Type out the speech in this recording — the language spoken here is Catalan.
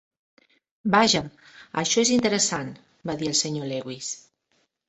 "Vaja, això és interessant," va dir el Sr. Lewis.